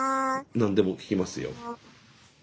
何でも聞きますよ。